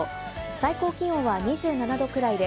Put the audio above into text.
最高気温は２７度くらいで、